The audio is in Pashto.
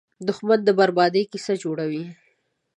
دښمن د بربادۍ کیسې جوړوي